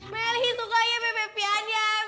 meli sukanya bebek pianjen